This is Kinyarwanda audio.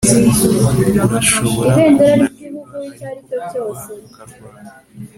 urashobora kunanirwa, ariko kugwa ukarwana